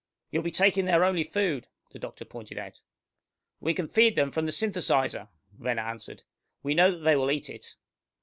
"You'll be taking their only food," the doctor pointed out. "We can feed them from the synthetizer," Renner answered. "We know that they will eat it."